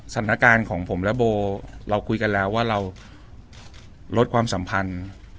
สถานการณ์ของผมและโบเราคุยกันแล้วว่าเราลดความสัมพันธ์